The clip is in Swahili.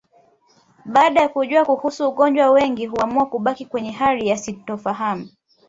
Baada ya kujua kuhusu ugonjwa wengi huamua kubaki kwenye hali ya sintofahamu